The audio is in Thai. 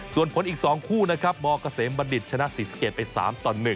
ส่วนผลอีก๒คู่นะครับมกบชนะ๔เกรดไป๓ต่อ๑